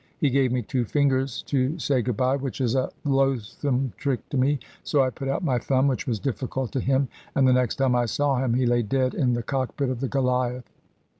He gave me two fingers to say good bye, which is a loathsome trick to me; so I put out my thumb, which was difficult to him: and the next time I saw him, he lay dead in the cockpit of the Goliath.